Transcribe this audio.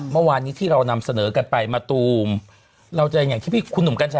เมื่อวานนี้ที่เรานำเสนอกันไปมะตูมเราจะอย่างที่พี่คุณหนุ่มกัญชัย